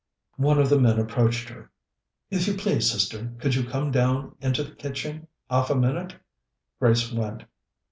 One of the men approached her. "If you please, Sister, could you come down into the kitching 'alf a minute?" Grace went.